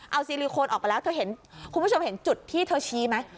เอาซีลิโคนออกไปแล้วเธอเห็นคุณผู้ชมเห็นจุดที่เธอชี้ไหม